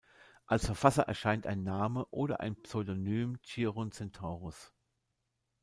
Als Verfasser erscheint ein Name oder ein Pseudonym, Chiron Centaurus.